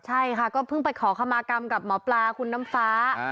ใช่ค่ะก็เพิ่งไปขอคำมากรรมกับหมอปลาคุณน้ำฟ้า